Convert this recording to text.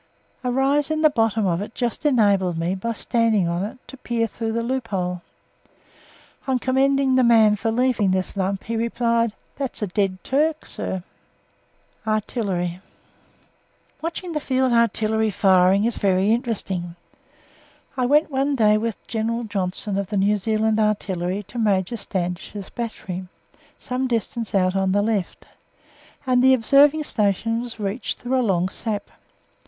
A rise in the bottom of it just enabled me, by standing on it, to peer through the loophole. On commending the man for leaving this lump, he replied, "That's a dead Turk, sir!" ARTILLERY Watching the Field Artillery firing is very interesting. I went one day with General Johnstone of the New Zealand Artillery to Major Standish's Battery, some distance out on the left, and the observing station was reached through a long sap.